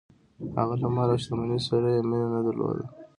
هغه له مال او شتمنۍ سره یې مینه نه درلوده.